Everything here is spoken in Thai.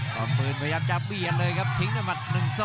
อมปืนพยายามจะเบียดเลยครับทิ้งด้วยหมัด๑๒